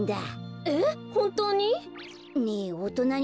えっほんとうに？